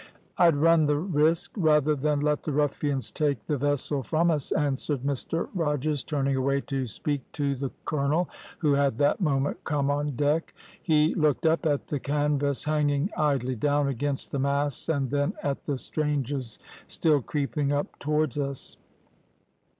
"`I'd run the risk rather than let the ruffians take the vessel from us,' answered Mr Rogers, turning away to speak to the colonel, who had that moment come on deck. He looked up at the canvas hanging idly down against the masts, and then at the strangers still creeping up towards us.